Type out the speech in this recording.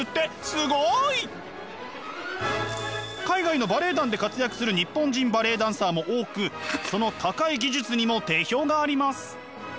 すごい！海外のバレエ団で活躍する日本人バレエダンサーも多くその高い技術にも定評があります。